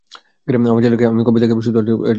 আমার ছেলেটাকে আমি কবে দেখতে পাবো শুধু এটুকুই বলুন।